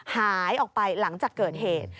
หายออกไปหลังจากเกิดเหตุ